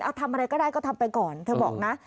เอาทำอะไรก็ได้ก็ทำไปก่อน